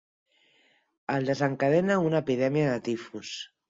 Es desencadena una epidèmia de tifus.